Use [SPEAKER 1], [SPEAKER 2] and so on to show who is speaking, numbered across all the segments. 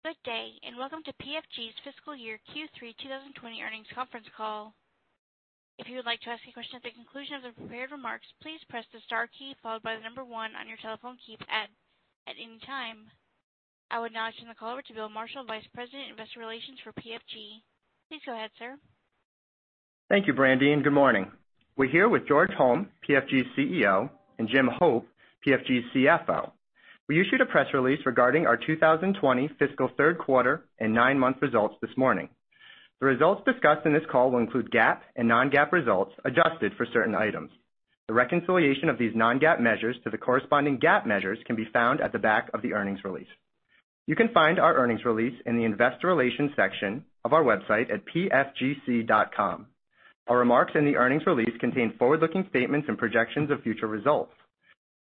[SPEAKER 1] Good day, and welcome to PFG's Fiscal Year Q3 2020 Earnings Conference Call. If you would like to ask a question at the conclusion of the prepared remarks, please press the * key followed by the number 1 on your telephone keypad at any time. I would now turn the call over to Bill Marshall, Vice President, Investor Relations for PFG. Please go ahead, sir.
[SPEAKER 2] Thank you, Brandy, and good morning. We're here with George Holm, PFG's CEO, and Jim Hope, PFG's CFO. We issued a press release regarding our 2020 fiscal Q3 and 9-month results this morning. The results discussed in this call will include GAAP and non-GAAP results, adjusted for certain items. The reconciliation of these non-GAAP measures to the corresponding GAAP measures can be found at the back of the earnings release. You can find our earnings release in the Investor Relations section of our website at pfgc.com. Our remarks in the earnings release contain forward-looking statements and projections of future results.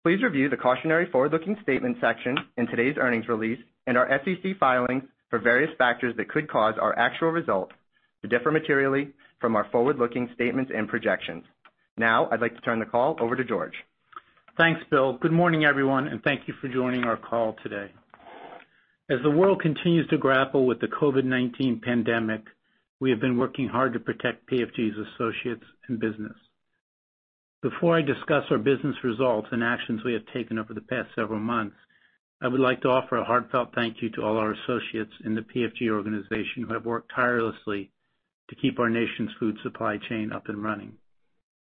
[SPEAKER 2] Please review the Cautionary Forward-Looking Statement section in today's earnings release and our SEC filings for various factors that could cause our actual results to differ materially from our forward-looking statements and projections. Now, I'd like to turn the call over to George.
[SPEAKER 3] Thanks, Bill. Good morning, everyone, and thank you for joining our call today. As the world continues to grapple with the COVID-19 pandemic, we have been working hard to protect PFG's associates and business. Before I discuss our business results and actions we have taken over the past several months, I would like to offer a heartfelt thank you to all our associates in the PFG organization who have worked tirelessly to keep our nation's food supply chain up and running.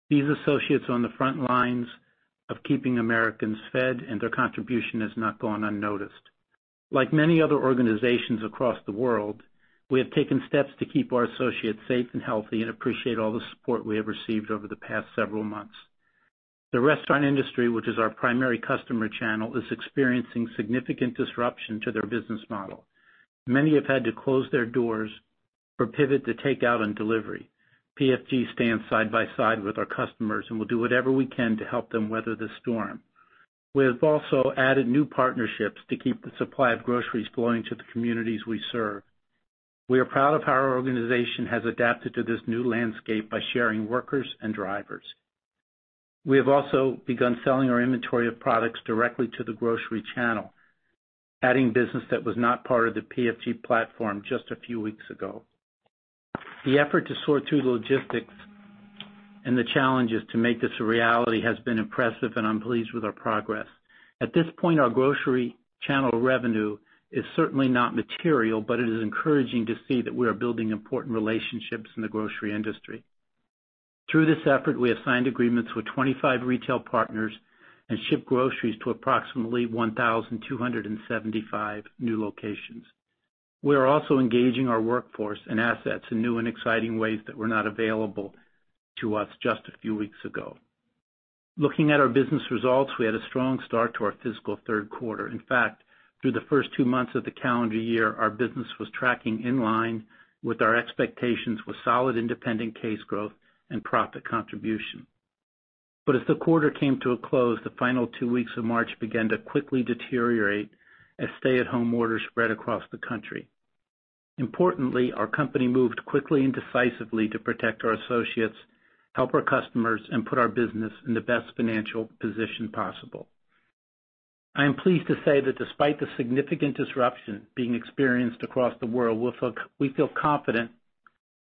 [SPEAKER 3] These associates are on the front lines of keeping Americans fed, and their contribution has not gone unnoticed. Like many other organizations across the world, we have taken steps to keep our associates safe and healthy and appreciate all the support we have received over the past several months. The restaurant industry, which is our primary customer channel, is experiencing significant disruption to their business model. Many have had to close their doors or pivot to takeout and delivery. PFG stands side by side with our customers, and we'll do whatever we can to help them weather the storm. We have also added new partnerships to keep the supply of groceries flowing to the communities we serve. We are proud of how our organization has adapted to this new landscape by sharing workers and drivers. We have also begun selling our inventory of products directly to the grocery channel, adding business that was not part of the PFG platform just a few weeks ago. The effort to sort through the logistics and the challenges to make this a reality has been impressive, and I'm pleased with our progress. At this point, our grocery channel revenue is certainly not material, but it is encouraging to see that we are building important relationships in the grocery industry. Through this effort, we have signed agreements with 25 retail partners and shipped groceries to approximately 1,275 new locations. We are also engaging our workforce and assets in new and exciting ways that were not available to us just a few weeks ago. Looking at our business results, we had a strong start to our fiscal Q3. In fact, through the first 2 months of the calendar year, our business was tracking in line with our expectations with solid independent case growth and profit contribution. But as the quarter came to a close, the final 2 weeks of March began to quickly deteriorate as stay-at-home orders spread across the country. Importantly, our company moved quickly and decisively to protect our associates, help our customers, and put our business in the best financial position possible. I am pleased to say that despite the significant disruption being experienced across the world, we feel confident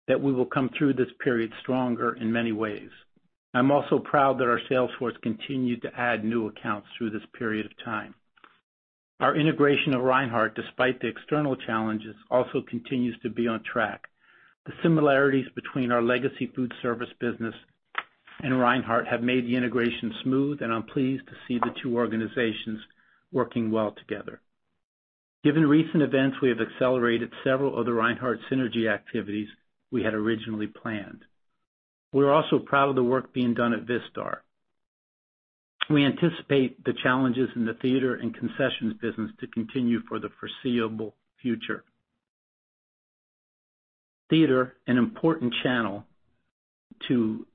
[SPEAKER 3] that we will come through this period stronger in many ways. I'm also proud that our sales force continued to add new accounts through this period of time. Our integration of Reinhart, despite the external challenges, also continues to be on track. The similarities between our legacy foodservice business and Reinhart have made the integration smooth, and I'm pleased to see the 2 organizations working well together. Given recent events, we have accelerated several of the Reinhart synergy activities we had originally planned. We're also proud of the work being done at Vistar. We anticipate the challenges in the theater and concessions business to continue for the foreseeable future. Theater, an important channel to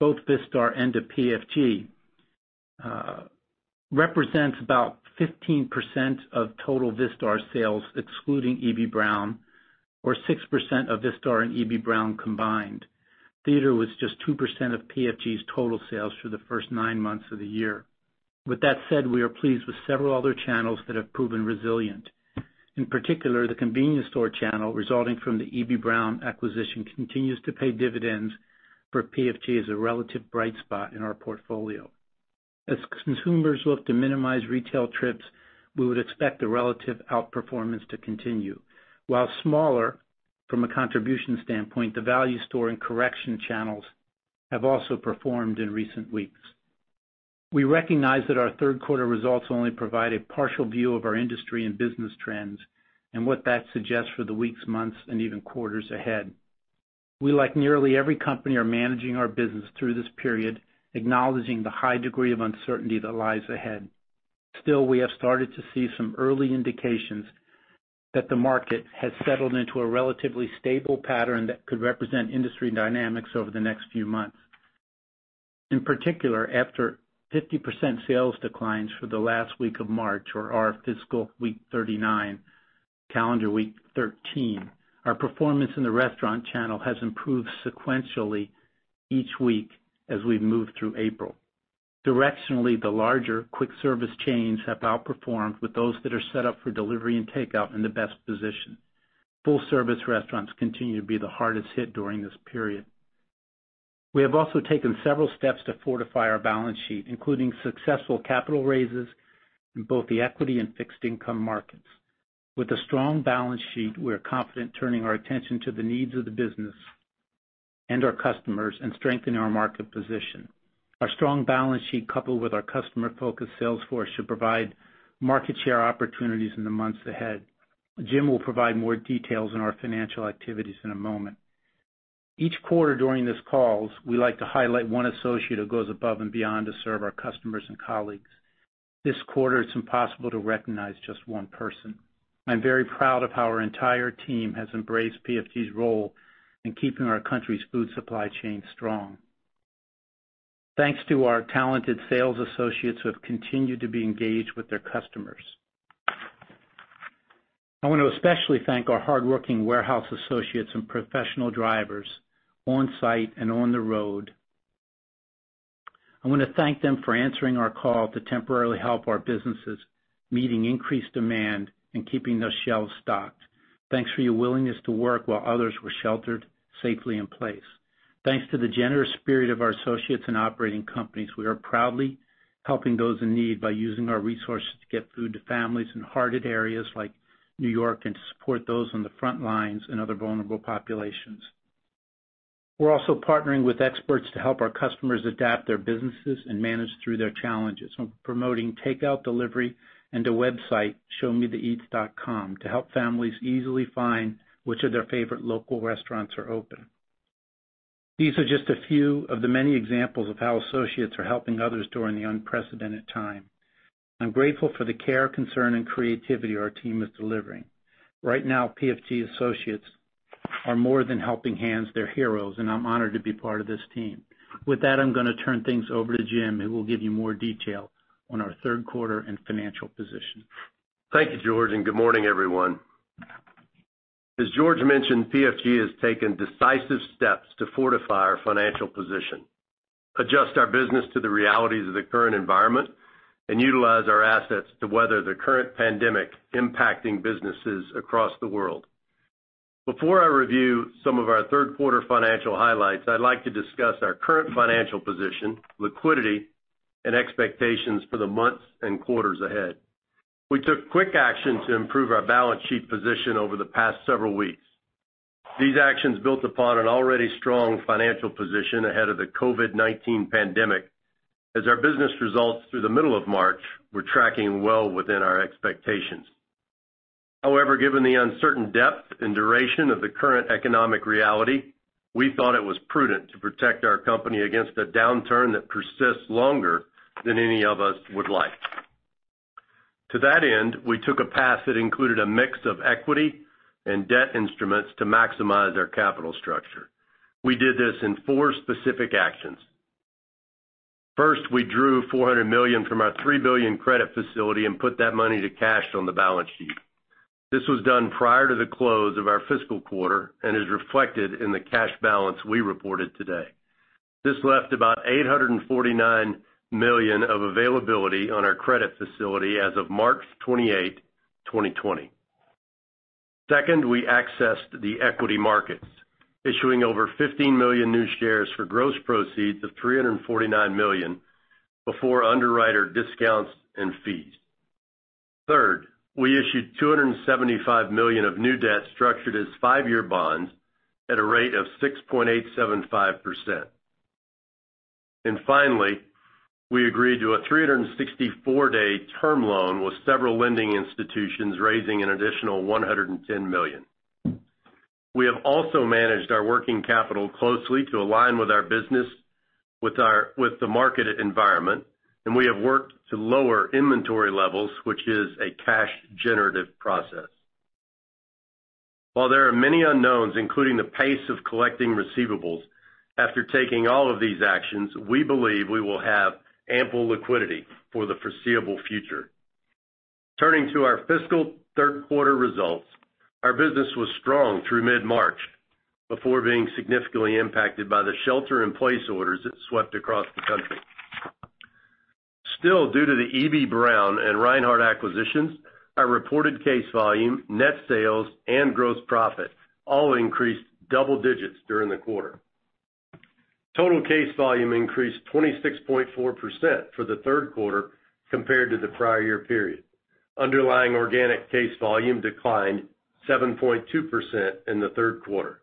[SPEAKER 3] both Vistar and to PFG, represents about 15% of total Vistar sales, excluding Eby-Brown, or 6% of Vistar and Eby-Brown combined. Theater was just 2% of PFG's total sales for the first 9 months of the year. With that said, we are pleased with several other channels that have proven resilient. In particular, the convenience store channel, resulting from the Eby-Brown acquisition, continues to pay dividends for PFG as a relative bright spot in our portfolio. As consumers look to minimize retail trips, we would expect the relative outperformance to continue. While smaller from a contribution standpoint, the value store and corrections channels have also performed in recent weeks. We recognize that our Q3 results only provide a partial view of our industry and business trends and what that suggests for the weeks, months, and even quarters ahead. We, like nearly every company, are managing our business through this period, acknowledging the high degree of uncertainty that lies ahead. Still, we have started to see some early indications that the market has settled into a relatively stable pattern that could represent industry dynamics over the next few months. In particular, after 50% sales declines for the last week of March or our fiscal week 39, calendar week 13, our performance in the restaurant channel has improved sequentially each week as we've moved through April.... Directionally, the larger quick service chains have outperformed with those that are set up for delivery and takeout in the best position. Full-service restaurants continue to be the hardest hit during this period. We have also taken several steps to fortify our balance sheet, including successful capital raises in both the equity and fixed income markets. With a strong balance sheet, we are confident turning our attention to the needs of the business and our customers and strengthening our market position. Our strong balance sheet, coupled with our customer-focused sales force, should provide market share opportunities in the months ahead. Jim will provide more details on our financial activities in a moment. Each quarter during these calls, we like to highlight 1 associate who goes above and beyond to serve our customers and colleagues. This quarter, it's impossible to recognize just 1 person. I'm very proud of how our entire team has embraced PFG's role in keeping our country's food supply chain strong. Thanks to our talented sales associates who have continued to be engaged with their customers. I want to especially thank our hardworking warehouse associates and professional drivers on-site and on the road. I want to thank them for answering our call to temporarily help our businesses, meeting increased demand, and keeping those shelves stocked. Thanks for your willingness to work while others were sheltered safely in place. Thanks to the generous spirit of our associates and operating companies, we are proudly helping those in need by using our resources to get food to families in hard-hit areas like New York, and to support those on the front lines and other vulnerable populations. We're also partnering with experts to help our customers adapt their businesses and manage through their challenges, from promoting takeout, delivery, and a website, ShowMeTheEats.com, to help families easily find which of their favorite local restaurants are open. These are just a few of the many examples of how associates are helping others during the unprecedented time. I'm grateful for the care, concern, and creativity our team is delivering. Right now, PFG associates are more than helping hands, they're heroes, and I'm honored to be part of this team. With that, I'm going to turn things over to Jim, who will give you more detail on our Q3 and financial position.
[SPEAKER 4] Thank you, George, and good morning, everyone. As George mentioned, PFG has taken decisive steps to fortify our financial position, adjust our business to the realities of the current environment, and utilize our assets to weather the current pandemic impacting businesses across the world. Before I review some of our Q3 financial highlights, I'd like to discuss our current financial position, liquidity, and expectations for the months and quarters ahead. We took quick action to improve our balance sheet position over the past several weeks. These actions built upon an already strong financial position ahead of the COVID-19 pandemic, as our business results through the middle of March were tracking well within our expectations. However, given the uncertain depth and duration of the current economic reality, we thought it was prudent to protect our company against a downturn that persists longer than any of us would like. To that end, we took a path that included a mix of equity and debt instruments to maximize our capital structure. We did this in 4 specific actions. First, we drew $400 million from our $3 billion credit facility and put that money to cash on the balance sheet. This was done prior to the close of our fiscal quarter and is reflected in the cash balance we reported today. This left about $849 million of availability on our credit facility as of March 28, 2020. Second, we accessed the equity markets, issuing over 15 million new shares for gross proceeds of $349 million before underwriter discounts and fees. Third, we issued $275 million of new debt structured as 5-year bonds at a rate of 6.875%. And finally, we agreed to a 364-day term loan with several lending institutions, raising an additional $110 million. We have also managed our working capital closely to align with our business, with the market environment, and we have worked to lower inventory levels, which is a cash-generative process. While there are many unknowns, including the pace of collecting receivables, after taking all of these actions, we believe we will have ample liquidity for the foreseeable future. Turning to our fiscal Q3 results, our business was strong through mid-March before being significantly impacted by the shelter-in-place orders that swept across the country. Still, due to the Eby-Brown and Reinhart acquisitions, our reported case volume, net sales, and gross profit all increased double digits during the quarter. Total case volume increased 26.4% for the Q3 compared to the prior year period. Underlying organic case volume declined 7.2% in the Q3.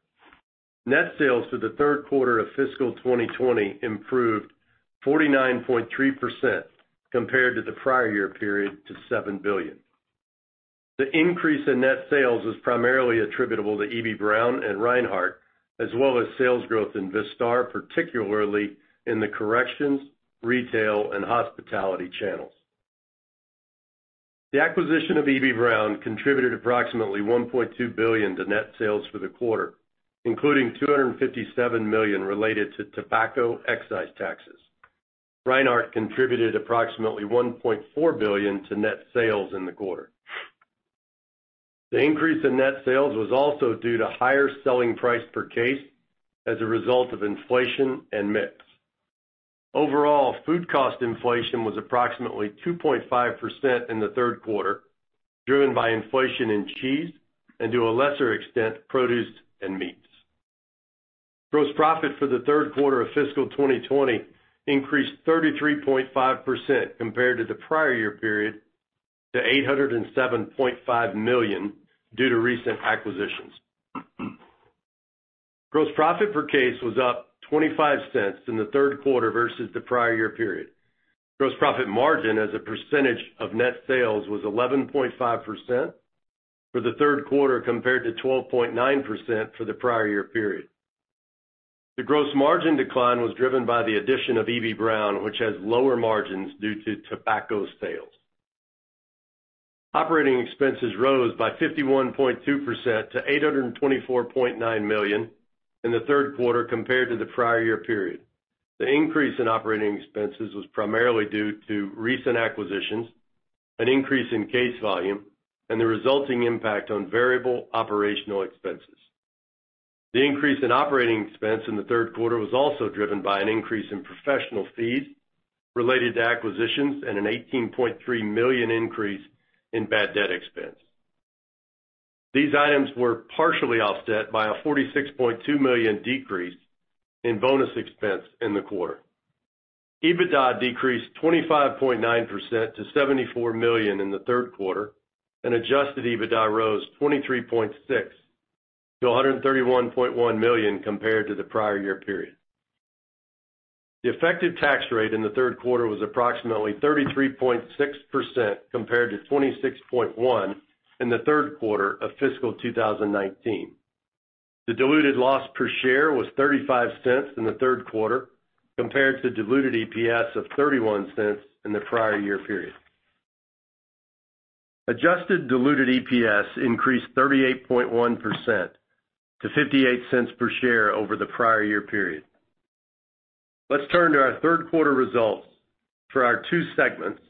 [SPEAKER 4] Net sales for the Q3 of fiscal 2020 improved 49.3% compared to the prior year period to $7 billion. The increase in net sales is primarily attributable to Eby-Brown and Reinhart, as well as sales growth in Vistar, particularly in the corrections, retail, and hospitality channels. The acquisition of Eby-Brown contributed approximately $1.2 billion to net sales for the quarter, including $257 million related to tobacco excise taxes. Reinhart contributed approximately $1.4 billion to net sales in the quarter.... The increase in net sales was also due to higher selling price per case as a result of inflation and mix. Overall, food cost inflation was approximately 2.5% in the Q3, driven by inflation in cheese and, to a lesser extent, produce and meats. Gross profit for the Q3 of fiscal 2020 increased 33.5% compared to the prior year period to $807.5 million due to recent acquisitions. Gross profit per case was up $0.25 in the Q3 versus the prior year period. Gross profit margin as a percentage of net sales was 11.5% for the Q3, compared to 12.9% for the prior year period. The gross margin decline was driven by the addition of Eby-Brown, which has lower margins due to tobacco sales. Operating expenses rose by 51.2% to $824.9 million in the Q3 compared to the prior year period. The increase in operating expenses was primarily due to recent acquisitions, an increase in case volume, and the resulting impact on variable operational expenses. The increase in operating expense in the Q3 was also driven by an increase in professional fees related to acquisitions and an $18.3 million increase in bad debt expense. These items were partially offset by a $46.2 million decrease in bonus expense in the quarter. EBITDA decreased 25.9% to $74 million in the Q3, and adjusted EBITDA rose 23.6% to $131.1 million compared to the prior year period. The effective tax rate in the Q3 was approximately 33.6%, compared to 26.1% in the Q3 of fiscal 2019. The diluted loss per share was $0.35 in the Q3, compared to diluted EPS of $0.31 in the prior year period. Adjusted diluted EPS increased 38.1% to $0.58 per share over the prior year period. Let's turn to our Q3 results for our 2 segments.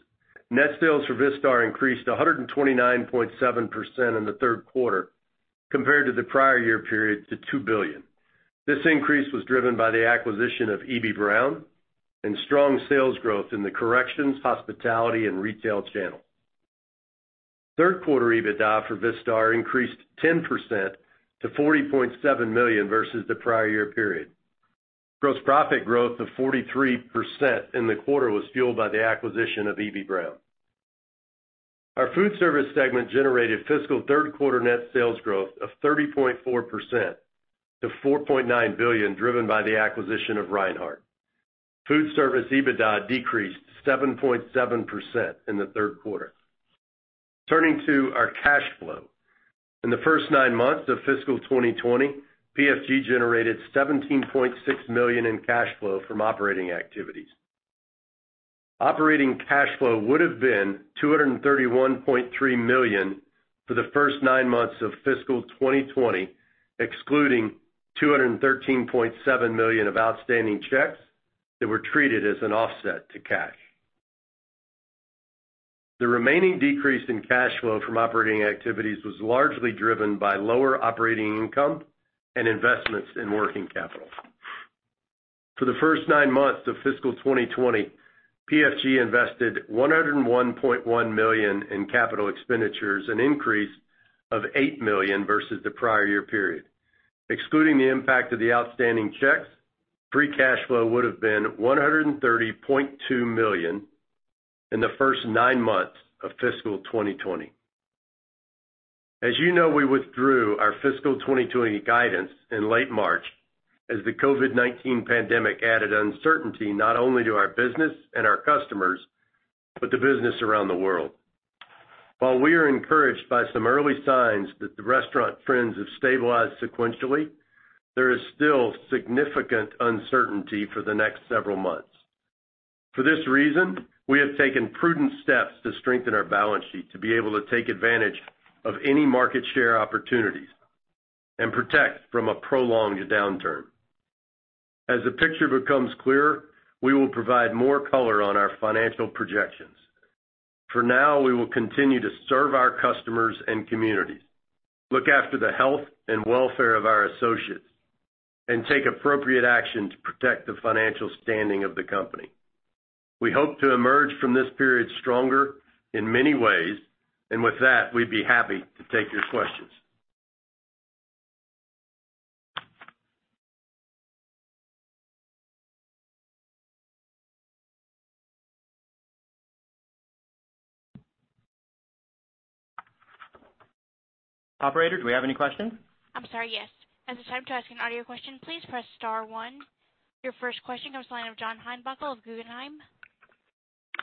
[SPEAKER 4] Net sales for Vistar increased 129.7% in the Q3 compared to the prior year period to $2 billion. This increase was driven by the acquisition of Eby-Brown and strong sales growth in the corrections, hospitality, and retail channel. Q3 EBITDA for Vistar increased 10% to $40.7 million versus the prior year period. Gross profit growth of 43% in the quarter was fueled by the acquisition of Eby-Brown. Our Foodservice segment generated fiscal Q3 net sales growth of 30.4% to $4.9 billion, driven by the acquisition of Reinhart. Foodservice EBITDA decreased 7.7% in the Q3. Turning to our cash flow. In the first 9 months of fiscal 2020, PFG generated $17.6 million in cash flow from operating activities. Operating cash flow would have been $231.3 million for the first 9 months of fiscal 2020, excluding $213.7 million of outstanding checks that were treated as an offset to cash. The remaining decrease in cash flow from operating activities was largely driven by lower operating income and investments in working capital. For the first 9 months of fiscal 2020, PFG invested $101.1 million in capital expenditures, an increase of $8 million versus the prior year period. Excluding the impact of the outstanding checks, free cash flow would have been $130.2 million in the first 9 months of fiscal 2020. As you know, we withdrew our fiscal 2020 guidance in late March as the COVID-19 pandemic added uncertainty not only to our business and our customers, but to business around the world. While we are encouraged by some early signs that the restaurant trends have stabilized sequentially, there is still significant uncertainty for the next several months. For this reason, we have taken prudent steps to strengthen our balance sheet, to be able to take advantage of any market share opportunities and protect from a prolonged downturn. As the picture becomes clearer, we will provide more color on our financial projections. For now, we will continue to serve our customers and communities, look after the health and welfare of our associates, and take appropriate action to protect the financial standing of the company. We hope to emerge from this period stronger in many ways, and with that, we'd be happy to take your questions.
[SPEAKER 2] Operator, do we have any questions?
[SPEAKER 1] I'm sorry. Yes. As a reminder, to ask an audio question, please press * 1. Your first question comes from the line of John Heinbockel of Guggenheim.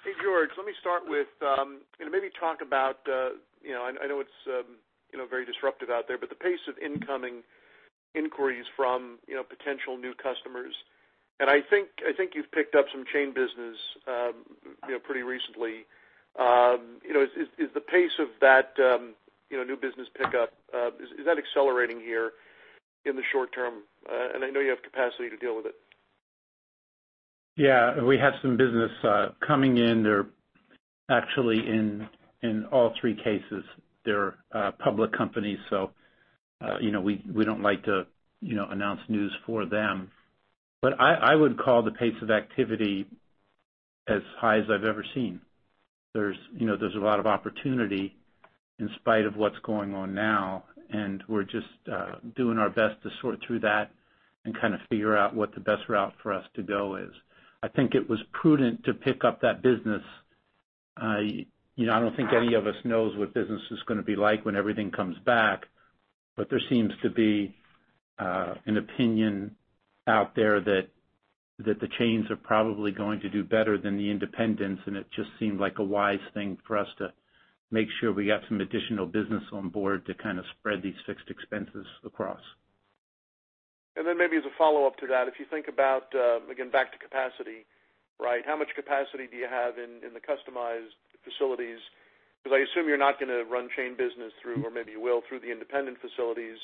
[SPEAKER 5] Hey, George, let me start with and maybe talk about you know, I know it's you know, very disruptive out there, but the pace of incoming inquiries from you know, potential new customers, and I think you've picked up some chain business you know, pretty recently. You know, is the pace of that you know, new business pickup is that accelerating here in the short term? And I know you have capacity to deal with it. ...
[SPEAKER 3] Yeah, we have some business coming in. They're actually in all 3 cases, they're public companies, so you know, we don't like to you know, announce news for them. But I would call the pace of activity as high as I've ever seen. There's you know, there's a lot of opportunity in spite of what's going on now, and we're just doing our best to sort through that and kind of figure out what the best route for us to go is. I think it was prudent to pick up that business. You know, I don't think any of us knows what business is gonna be like when everything comes back, but there seems to be an opinion out there that the chains are probably going to do better than the independents, and it just seemed like a wise thing for us to make sure we got some additional business on board to kind of spread these fixed expenses across.
[SPEAKER 5] And then maybe as a follow-up to that, if you think about, again, back to capacity, right? How much capacity do you have in the Customized facilities? Because I assume you're not gonna run chain business through, or maybe you will, through the independent facilities.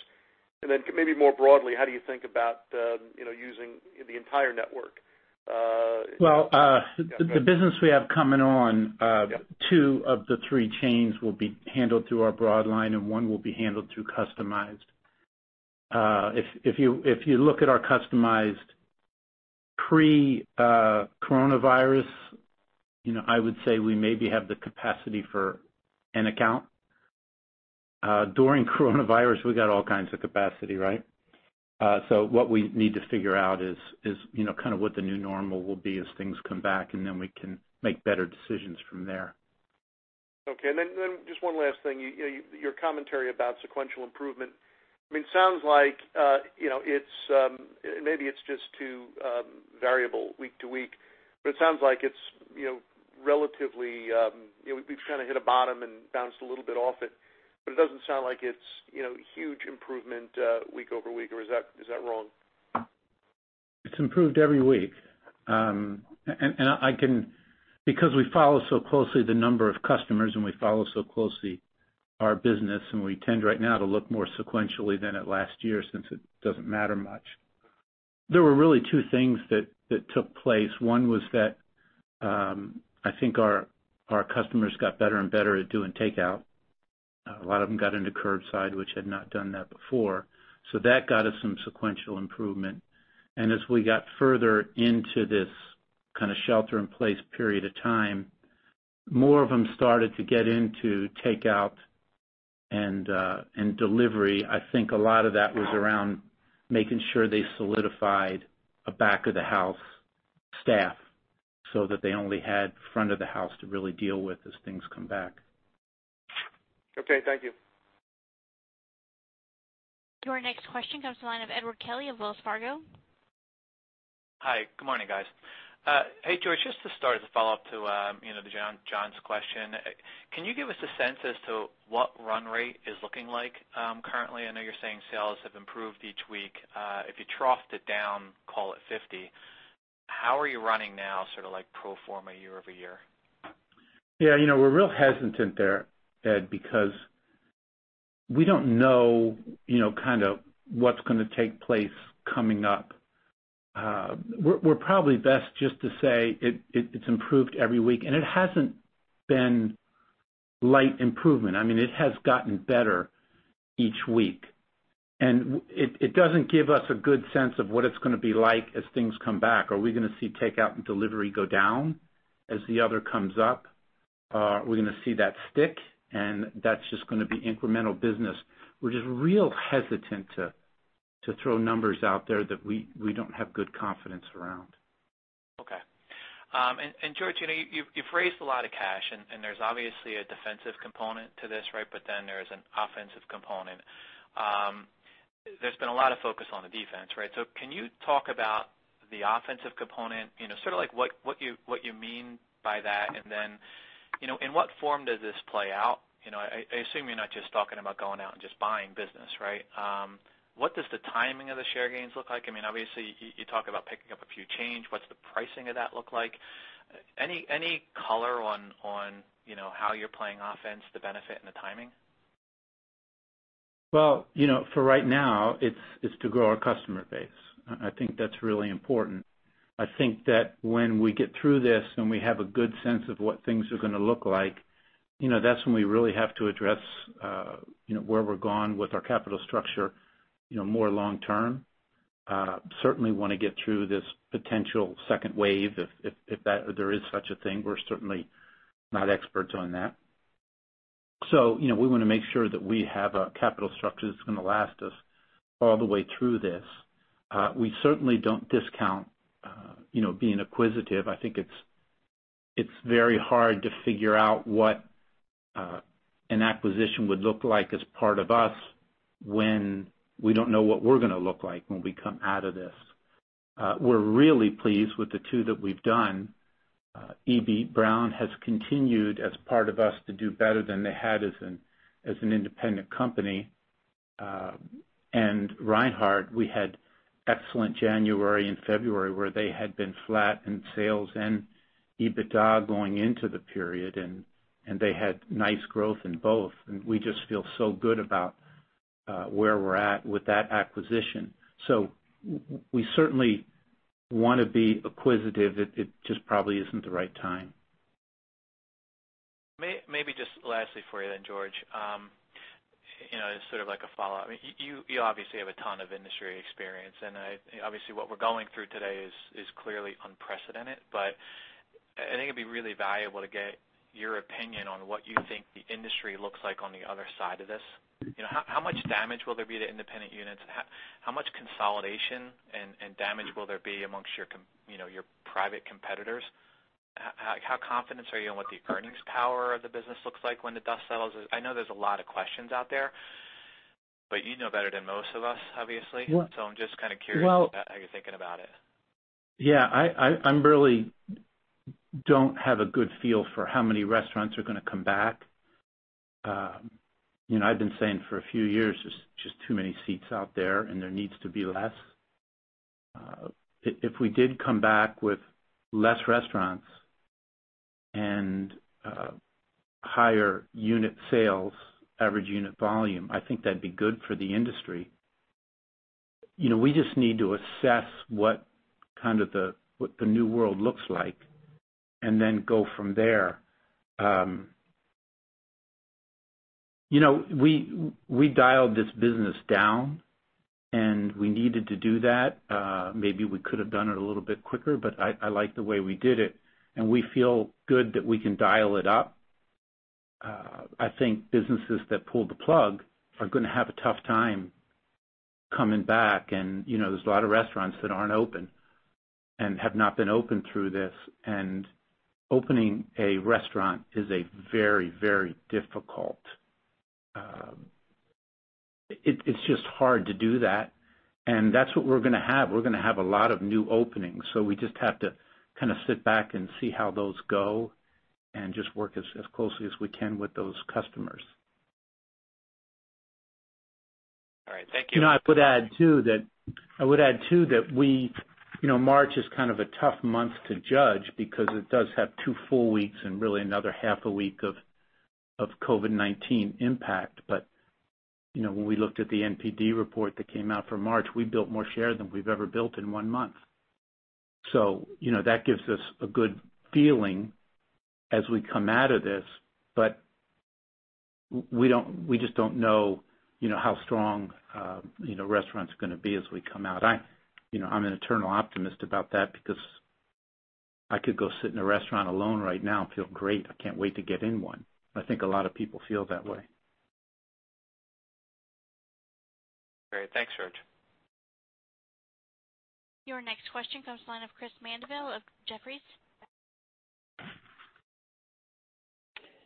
[SPEAKER 5] And then maybe more broadly, how do you think about, you know, using the entire network?
[SPEAKER 3] Well, the business we have coming on,
[SPEAKER 5] Yep.
[SPEAKER 3] 2 of the 3 chains will be handled through our broadline, and one will be handled through Customized. If you look at our Customized pre-coronavirus, you know, I would say we maybe have the capacity for an account. During coronavirus, we got all kinds of capacity, right? So what we need to figure out is, you know, kind of what the new normal will be as things come back, and then we can make better decisions from there.
[SPEAKER 5] Okay. And then just one last thing, your commentary about sequential improvement. I mean, it sounds like, you know, it's maybe just too variable week to week, but it sounds like it's, you know, relatively, you know, we've kind of hit a bottom and bounced a little bit off it, but it doesn't sound like it's, you know, huge improvement week over week, or is that wrong?
[SPEAKER 3] It's improved every week. Because we follow so closely the number of customers, and we follow so closely our business, and we tend right now to look more sequentially than at last year, since it doesn't matter much. There were really 2 things that took place. One was that, I think our customers got better and better at doing takeout. A lot of them got into curbside, which had not done that before. So that got us some sequential improvement. And as we got further into this kind of shelter-in-place period of time, more of them started to get into takeout and delivery. I think a lot of that was around making sure they solidified a back-of-the-house staff, so that they only had front of the house to really deal with as things come back.
[SPEAKER 5] Okay, thank you.
[SPEAKER 1] Your next question comes from the line of Edward Kelly of Wells Fargo.
[SPEAKER 6] Hi, good morning, guys. Hey, George, just to start as a follow-up to, you know, the John- John's question, can you give us a sense as to what run rate is looking like, currently? I know you're saying sales have improved each week. If you troughed it down, call it 50, how are you running now, sort of like pro forma year-over-year?
[SPEAKER 3] Yeah, you know, we're real hesitant there, Ed, because we don't know, you know, kind of what's gonna take place coming up. We're probably best just to say it, it's improved every week, and it hasn't been light improvement. I mean, it has gotten better each week, and it doesn't give us a good sense of what it's gonna be like as things come back. Are we gonna see takeout and delivery go down as the other comes up? Are we gonna see that stick, and that's just gonna be incremental business? We're just real hesitant to throw numbers out there that we don't have good confidence around.
[SPEAKER 6] Okay. And George, you know, you've raised a lot of cash, and there's obviously a defensive component to this, right? But then there is an offensive component. There's been a lot of focus on the defense, right? So can you talk about the offensive component, you know, sort of like, what you mean by that? And then, you know, in what form does this play out? You know, I assume you're not just talking about going out and just buying business, right? What does the timing of the share gains look like? I mean, obviously, you talk about picking up a few chains. What's the pricing of that look like? Any color on, you know, how you're playing offense, the benefit, and the timing?
[SPEAKER 3] Well, you know, for right now, it's to grow our customer base. I think that's really important. I think that when we get through this, and we have a good sense of what things are gonna look like, you know, that's when we really have to address, you know, where we're going with our capital structure, you know, more long term. Certainly want to get through this potential 2nd wave, if that there is such a thing. We're certainly not experts on that. So, you know, we wanna make sure that we have a capital structure that's gonna last us all the way through this. We certainly don't discount, you know, being acquisitive. I think it's very hard to figure out what an acquisition would look like as part of us, when we don't know what we're gonna look like when we come out of this. We're really pleased with the two that we've done. Eby-Brown has continued, as part of us, to do better than they had as an independent company. And Reinhart, we had excellent January and February, where they had been flat in sales and EBITDA going into the period, and they had nice growth in both. And we just feel so good about where we're at with that acquisition. So we certainly want to be acquisitive, it just probably isn't the right time.
[SPEAKER 6] Maybe just lastly for you then, George, you know, as sort of like a follow-up. You obviously have a ton of industry experience, and obviously, what we're going through today is clearly unprecedented. But I think it'd be really valuable to get your opinion on what you think the industry looks like on the other side of this. You know, how much damage will there be to independent units? How much consolidation and damage will there be amongst your private competitors? How confident are you in what the earnings power of the business looks like when the dust settles? I know there's a lot of questions out there, but you know better than most of us, obviously.
[SPEAKER 3] Well-
[SPEAKER 6] I'm just kind of curious-
[SPEAKER 3] Well-
[SPEAKER 6] -how you're thinking about it.
[SPEAKER 3] Yeah, I really don't have a good feel for how many restaurants are gonna come back. You know, I've been saying for a few years, there's just too many seats out there, and there needs to be less. If we did come back with less restaurants and higher unit sales, average unit volume, I think that'd be good for the industry. You know, we just need to assess what the new world looks like and then go from there. You know, we dialed this business down, and we needed to do that. Maybe we could have done it a little bit quicker, but I like the way we did it, and we feel good that we can dial it up. I think businesses that pulled the plug are gonna have a tough time coming back. You know, there's a lot of restaurants that aren't open and have not been open through this, and opening a restaurant is a very, very difficult. It's just hard to do that, and that's what we're gonna have. We're gonna have a lot of new openings, so we just have to kind of sit back and see how those go and just work as closely as we can with those customers.
[SPEAKER 6] All right. Thank you.
[SPEAKER 3] You know, I would add, too, that we... You know, March is kind of a tough month to judge because it does have 2 full weeks and really another half a week of COVID-19 impact. But, you know, when we looked at the NPD report that came out for March, we built more share than we've ever built in 1 month. So, you know, that gives us a good feeling as we come out of this, but we don't, we just don't know, you know, how strong, you know, restaurants are gonna be as we come out. I, you know, I'm an eternal optimist about that because I could go sit in a restaurant alone right now and feel great. I can't wait to get in one. I think a lot of people feel that way.
[SPEAKER 6] Great. Thanks, George.
[SPEAKER 1] Your next question comes from the line of Chris Mandeville of Jefferies.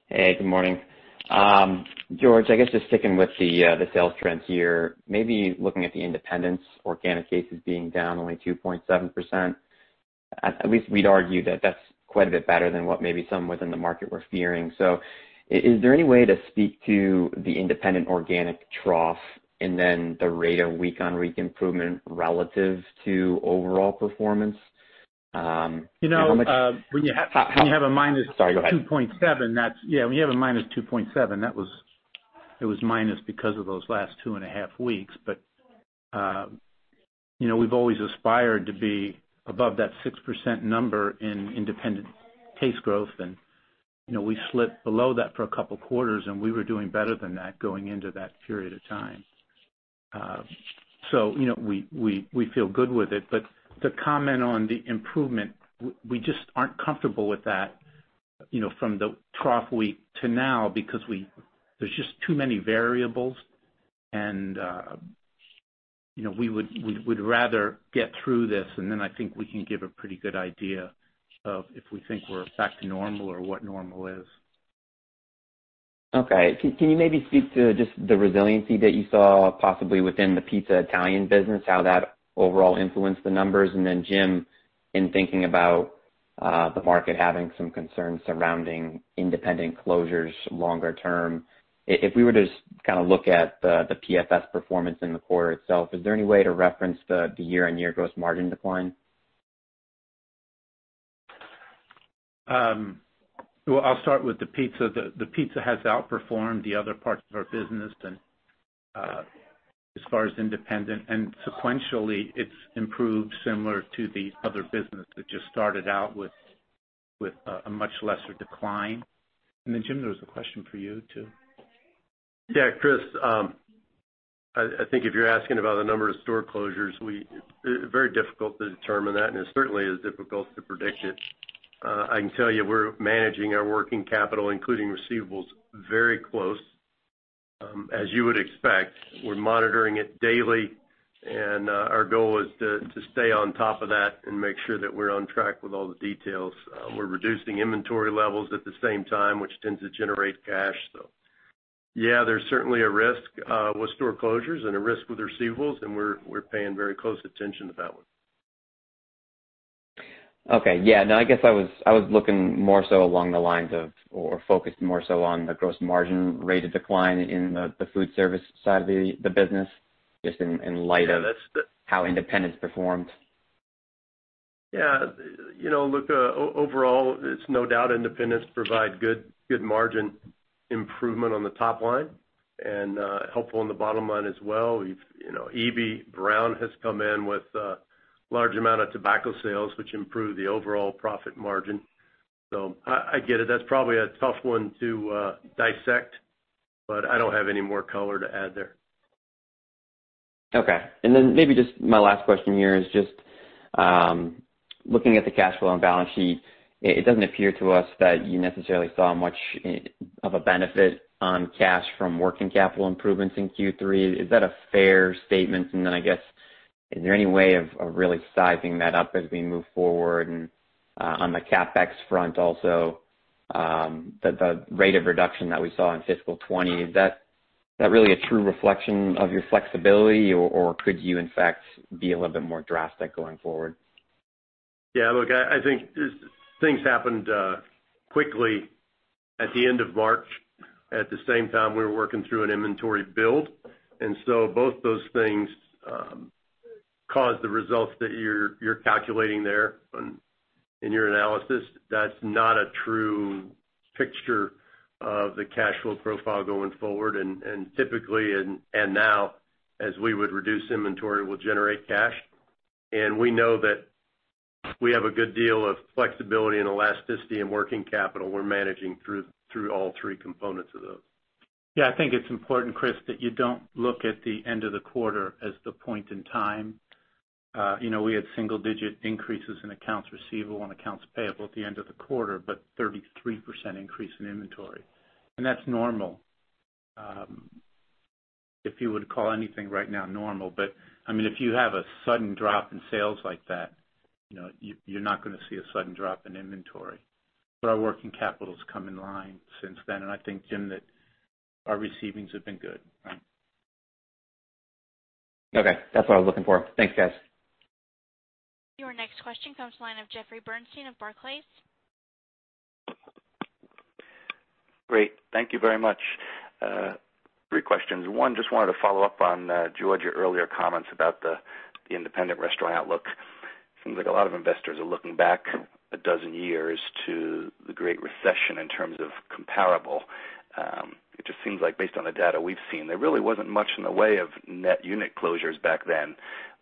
[SPEAKER 7] Hey, good morning. George, I guess just sticking with the, the sales trends here, maybe looking at the independent organic cases being down only 2.7%, at least we'd argue that that's quite a bit better than what maybe some within the market were fearing. So is there any way to speak to the independent organic trough and then the rate of week-on-week improvement relative to overall performance? How much-
[SPEAKER 3] You know, when you have-
[SPEAKER 7] Sorry, go ahead.
[SPEAKER 3] -2.7, that's... Yeah, when you have a -2.7, that was, it was minus because of those last 2.5 weeks. But, you know, we've always aspired to be above that 6% number in independent case growth. And, you know, we slipped below that for a couple quarters, and we were doing better than that going into that period of time. So, you know, we feel good with it. But to comment on the improvement, we just aren't comfortable with that, you know, from the trough week to now, because we, there's just too many variables, and, you know, we would rather get through this, and then I think we can give a pretty good idea of if we think we're back to normal or what normal is.
[SPEAKER 7] Okay. Can you maybe speak to just the resiliency that you saw possibly within the pizza Italian business, how that overall influenced the numbers? And then, Jim, in thinking about the market having some concerns surrounding independent closures longer term, if we were to just kind of look at the PFS performance in the quarter itself, is there any way to reference the year-on-year gross margin decline?
[SPEAKER 3] Well, I'll start with the pizza. The pizza has outperformed the other parts of our business and, as far as independent, and sequentially, it's improved similar to the other business. It just started out with a much lesser decline. And then, Jim, there was a question for you, too.
[SPEAKER 4] Yeah, Chris, I think if you're asking about the number of store closures, it's very difficult to determine that, and it certainly is difficult to predict it. I can tell you we're managing our working capital, including receivables, very closely. As you would expect, we're monitoring it daily, and our goal is to stay on top of that and make sure that we're on track with all the details. We're reducing inventory levels at the same time, which tends to generate cash. So yeah, there's certainly a risk with store closures and a risk with receivables, and we're paying very close attention to that one.
[SPEAKER 7] Okay. Yeah, no, I guess I was looking more so along the lines of or focused more so on the gross margin rate of decline in the food service side of the business, just in light of-
[SPEAKER 4] Yes...
[SPEAKER 7] how independents performed....
[SPEAKER 4] Yeah, you know, look, overall, it's no doubt independents provide good, good margin improvement on the top line, and helpful on the bottom line as well. You know, Eby-Brown has come in with a large amount of tobacco sales, which improve the overall profit margin. So I get it. That's probably a tough one to dissect, but I don't have any more color to add there.
[SPEAKER 7] Okay. And then maybe just my last question here is just looking at the cash flow and balance sheet, it doesn't appear to us that you necessarily saw much of a benefit on cash from working capital improvements in Q3. Is that a fair statement? And then, I guess, is there any way of really sizing that up as we move forward? And on the CapEx front also, the rate of reduction that we saw in fiscal 2020, is that really a true reflection of your flexibility, or could you, in fact, be a little bit more drastic going forward?
[SPEAKER 4] Yeah, look, I think things happened quickly at the end of March. At the same time, we were working through an inventory build, and so both those things caused the results that you're calculating there on, in your analysis. That's not a true picture of the cash flow profile going forward. And typically, now, as we would reduce inventory, we'll generate cash. And we know that we have a good deal of flexibility and elasticity in working capital. We're managing through all 3 components of those.
[SPEAKER 3] Yeah, I think it's important, Chris, that you don't look at the end of the quarter as the point in time. You know, we had single digit increases in accounts receivable and accounts payable at the end of the quarter, but 33% increase in inventory, and that's normal. If you would call anything right now normal, but I mean, if you have a sudden drop in sales like that, you know, you, you're not gonna see a sudden drop in inventory. But our working capital's come in line since then, and I think, Jim, that our receivables have been good, right?
[SPEAKER 7] Okay. That's what I was looking for. Thanks, guys.
[SPEAKER 1] Your next question comes from the line of Jeffrey Bernstein of Barclays.
[SPEAKER 8] Great. Thank you very much. 3 questions. 1, just wanted to follow up on George, your earlier comments about the independent restaurant outlook. Seems like a lot of investors are looking back 12 years to the Great Recession in terms of comparable. It just seems like based on the data we've seen, there really wasn't much in the way of net unit closures back then,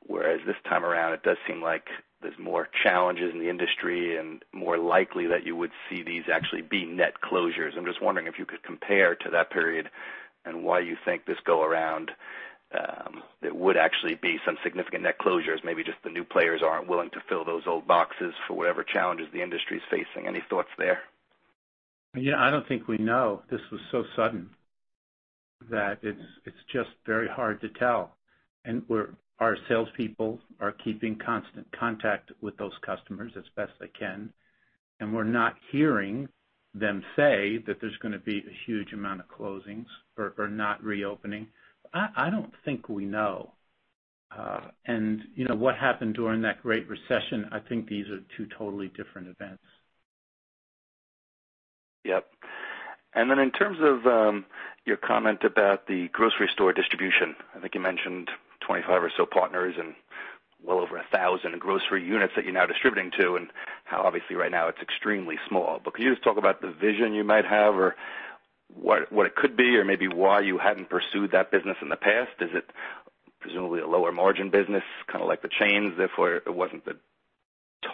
[SPEAKER 8] whereas this time around, it does seem like there's more challenges in the industry and more likely that you would see these actually be net closures. I'm just wondering if you could compare to that period and why you think this go around, it would actually be some significant net closures, maybe just the new players aren't willing to fill those old boxes for whatever challenges the industry is facing. Any thoughts there?
[SPEAKER 3] Yeah, I don't think we know. This was so sudden that it's, it's just very hard to tell. We're—our salespeople are keeping constant contact with those customers as best they can, and we're not hearing them say that there's gonna be a huge amount of closings or not reopening. I don't think we know. You know, what happened during that Great Recession, I think these are two totally different events.
[SPEAKER 8] Yep. And then in terms of, your comment about the grocery store distribution, I think you mentioned 25 or so partners and well over 1,000 grocery units that you're now distributing to, and how obviously right now it's extremely small. But can you just talk about the vision you might have or what it could be, or maybe why you hadn't pursued that business in the past? Is it presumably a lower margin business, kind of like the chains, therefore, it wasn't the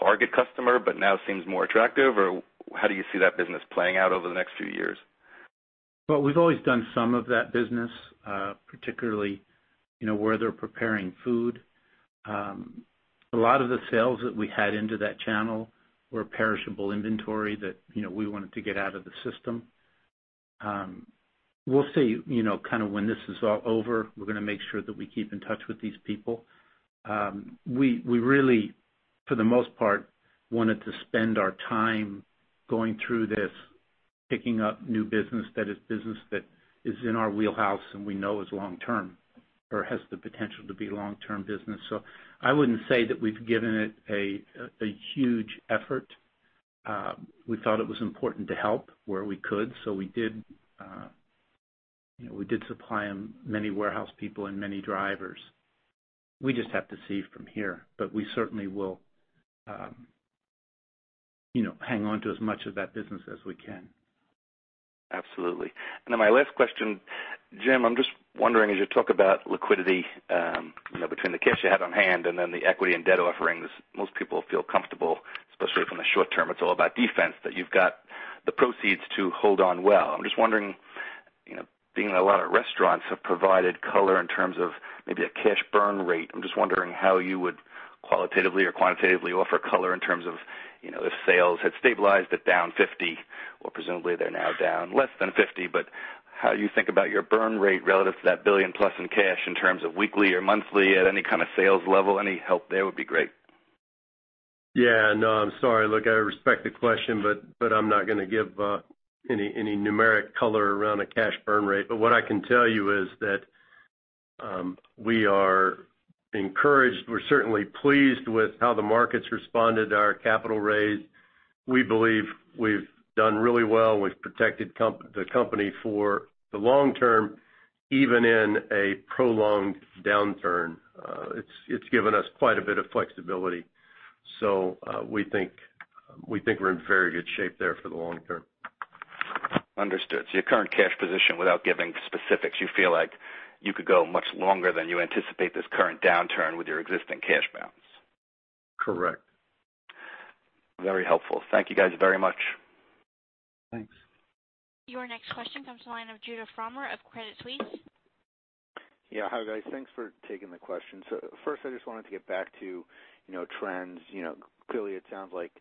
[SPEAKER 8] target customer, but now seems more attractive? Or how do you see that business playing out over the next few years?
[SPEAKER 3] Well, we've always done some of that business, particularly, you know, where they're preparing food. A lot of the sales that we had into that channel were perishable inventory that, you know, we wanted to get out of the system. We'll see, you know, kind of when this is all over, we're gonna make sure that we keep in touch with these people. We really, for the most part, wanted to spend our time going through this, picking up new business that is business that is in our wheelhouse, and we know is long-term or has the potential to be long-term business. So I wouldn't say that we've given it a huge effort. We thought it was important to help where we could, so we did, you know, we did supply many warehouse people and many drivers. We just have to see from here, but we certainly will, you know, hang on to as much of that business as we can.
[SPEAKER 8] Absolutely. And then my last question, Jim, I'm just wondering, as you talk about liquidity, you know, between the cash you had on hand and then the equity and debt offerings, most people feel comfortable, especially from the short term, it's all about defense, that you've got the proceeds to hold on well. I'm just wondering, you know, being a lot of restaurants have provided color in terms of maybe a cash burn rate, I'm just wondering how you would qualitatively or quantitatively offer color in terms of, you know, if sales had stabilized at down 50%, or presumably they're now down less than 50%, but how you think about your burn rate relative to that $1 billion-plus in cash in terms of weekly or monthly at any kind of sales level? Any help there would be great.
[SPEAKER 4] Yeah, no, I'm sorry. Look, I respect the question, but I'm not gonna give any numeric color around a cash burn rate. But what I can tell you is that we are encouraged. We're certainly pleased with how the markets responded to our capital raise. We believe we've done really well. We've protected the company for the long term, even in a prolonged downturn. It's given us quite a bit of flexibility. So, we think we're in very good shape there for the long term.
[SPEAKER 8] Understood. So your current cash position, without giving specifics, you feel like you could go much longer than you anticipate this current downturn with your existing cash balance?
[SPEAKER 4] Correct.
[SPEAKER 8] Very helpful. Thank you, guys, very much.
[SPEAKER 4] Thanks.
[SPEAKER 1] Your next question comes from the line of Judah Frommer of Credit Suisse.
[SPEAKER 9] Yeah. Hi, guys. Thanks for taking the question. So first, I just wanted to get back to, you know, trends. You know, clearly, it sounds like,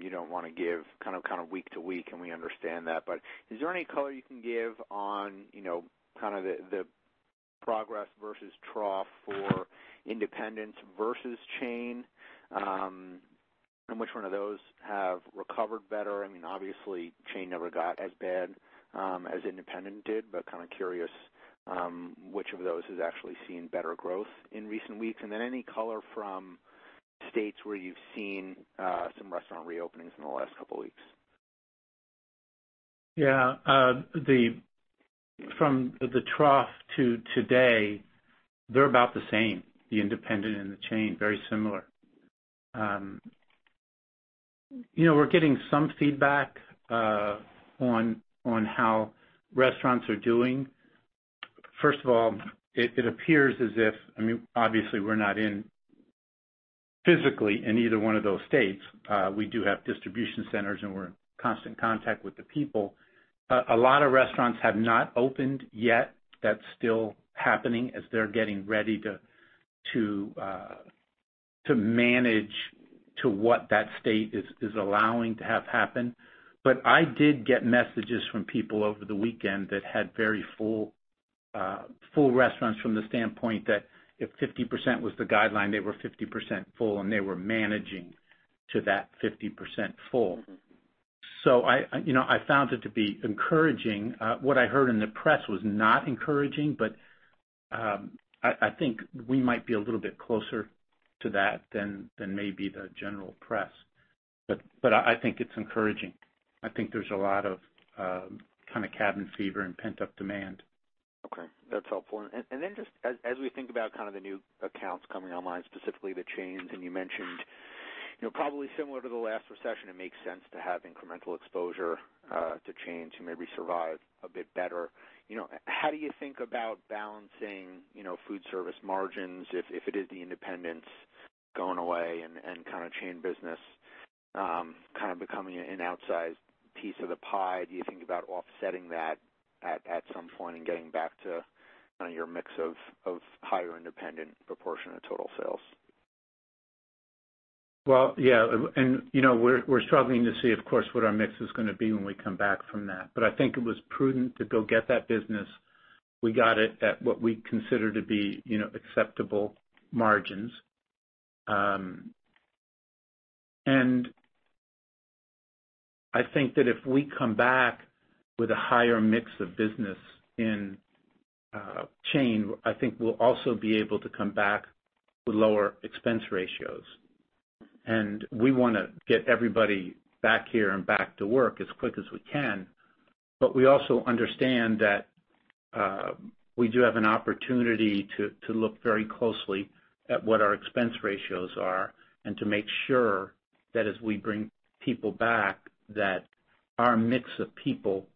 [SPEAKER 9] you don't want to give kind of week to week, and we understand that, but is there any color you can give on, you know, kind of the progress versus trough for independents versus chain? And which one of those have recovered better? I mean, obviously, chain never got as bad, as independent did, but kind of curious, which of those has actually seen better growth in recent weeks? And then any color from states where you've seen, some restaurant reopenings in the last couple weeks?
[SPEAKER 3] Yeah. The, from the trough to today, they're about the same, the independent and the chain, very similar. You know, we're getting some feedback on how restaurants are doing. First of all, it appears as if, I mean, obviously, we're not in, physically, in either one of those states. We do have distribution centers, and we're in constant contact with the people. A lot of restaurants have not opened yet. That's still happening as they're getting ready to manage to what that state is allowing to have happen. But I did get messages from people over the weekend that had very full full restaurants from the standpoint that if 50% was the guideline, they were 50% full, and they were managing to that 50% full. So you know, I found it to be encouraging. What I heard in the press was not encouraging, but I think we might be a little bit closer to that than maybe the general press. But I think it's encouraging. I think there's a lot of kind of cabin fever and pent-up demand.
[SPEAKER 9] Okay, that's helpful. And then just as we think about kind of the new accounts coming online, specifically the chains, and you mentioned, you know, probably similar to the last recession, it makes sense to have incremental exposure to chains who maybe survive a bit better. You know, how do you think about balancing, you know, food service margins if it is the independents going away and kind of chain business kind of becoming an outsized piece of the pie? Do you think about offsetting that at some point and getting back to your mix of higher independent proportion of total sales?
[SPEAKER 3] Well, yeah, and, you know, we're struggling to see, of course, what our mix is gonna be when we come back from that. But I think it was prudent to go get that business. We got it at what we consider to be, you know, acceptable margins. And I think that if we come back with a higher mix of business in chain, I think we'll also be able to come back with lower expense ratios. And we wanna get everybody back here and back to work as quick as we can, but we also understand that we do have an opportunity to look very closely at what our expense ratios are and to make sure that as we bring people back, that our mix of people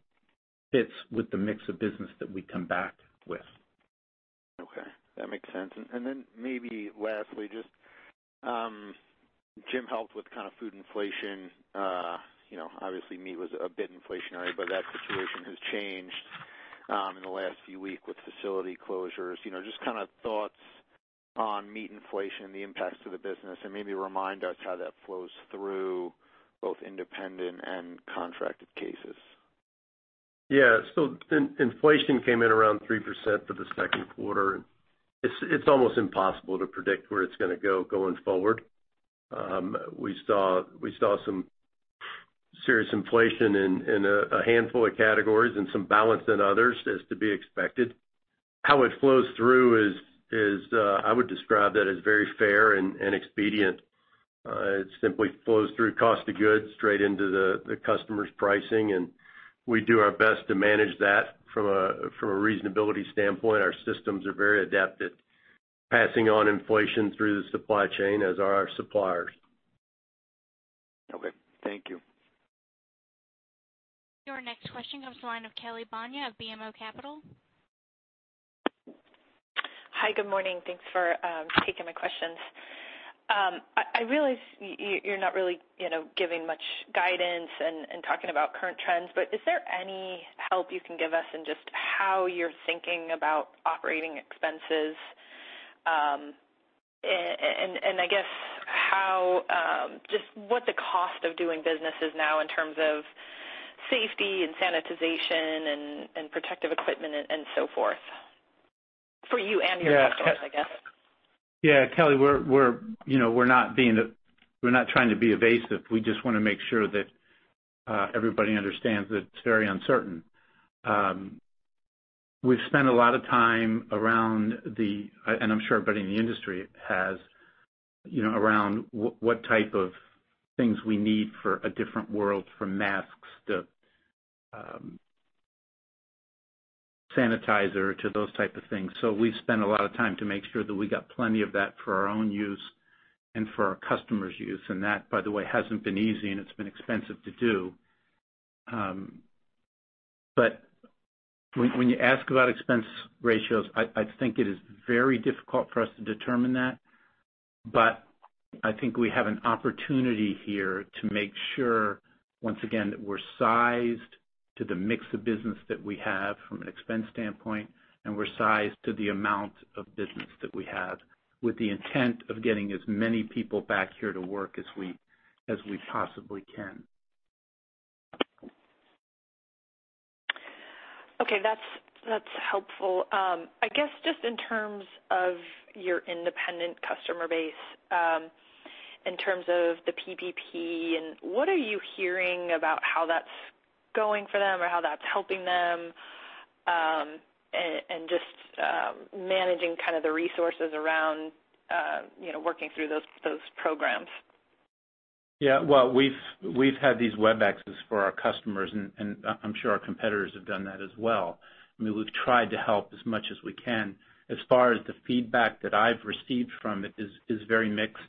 [SPEAKER 3] fits with the mix of business that we come back with.
[SPEAKER 9] Okay, that makes sense. And, and then maybe lastly, just, Jim helped with kind of food inflation. You know, obviously, meat was a bit inflationary, but that situation has changed, in the last few weeks with facility closures. You know, just kind of thoughts on meat inflation, the impacts to the business, and maybe remind us how that flows through both independent and contracted cases.
[SPEAKER 4] Yeah. So inflation came in around 3% for the Q2. It's almost impossible to predict where it's gonna go going forward. We saw some serious inflation in a handful of categories and some balance in others, as to be expected. How it flows through is I would describe that as very fair and expedient. It simply flows through cost of goods, straight into the customer's pricing, and we do our best to manage that from a reasonability standpoint. Our systems are very adept at passing on inflation through the supply chain, as are our suppliers.
[SPEAKER 9] Okay, thank you.
[SPEAKER 1] Your next question comes from the line of Kelly Bania of BMO Capital.
[SPEAKER 10] Hi, good morning. Thanks for taking my questions. I realize you're not really, you know, giving much guidance, and I guess how just what the cost of doing business is now in terms of safety and sanitization and protective equipment and so forth, for you and your customers, I guess?
[SPEAKER 3] Yeah, Kelly, we're, you know, we're not being, we're not trying to be evasive. We just wanna make sure that everybody understands that it's very uncertain. We've spent a lot of time around the and I'm sure everybody in the industry has, you know, around what type of things we need for a different world, from masks to sanitizer to those type of things. So we've spent a lot of time to make sure that we got plenty of that for our own use and for our customers' use, and that, by the way, hasn't been easy, and it's been expensive to do. But when you ask about expense ratios, I think it is very difficult for us to determine that. But I think we have an opportunity here to make sure, once again, that we're sized to the mix of business that we have from an expense standpoint, and we're sized to the amount of business that we have, with the intent of getting as many people back here to work as we, as we possibly can.
[SPEAKER 10] Okay, that's, that's helpful. I guess, just in terms of your independent customer base, in terms of the PPP, and what are you hearing about how that's going for them or how that's helping them, and just managing kind of the resources around, you know, working through those, those programs?
[SPEAKER 3] Yeah. Well, we've had these Webexes for our customers, and I'm sure our competitors have done that as well. I mean, we've tried to help as much as we can. As far as the feedback that I've received from it is very mixed.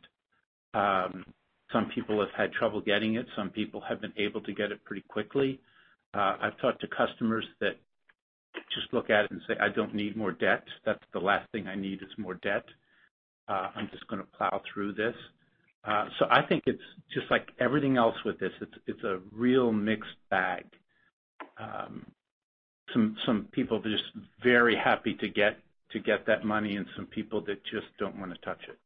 [SPEAKER 3] Some people have had trouble getting it. Some people have been able to get it pretty quickly. I've talked to customers that just look at it and say, "I don't need more debt. That's the last thing I need, is more debt. I'm just gonna plow through this." So I think it's just like everything else with this, it's a real mixed bag. Some people are just very happy to get that money, and some people that just don't wanna touch it.